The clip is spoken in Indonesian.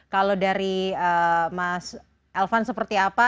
kalau dari mas elvan seperti apa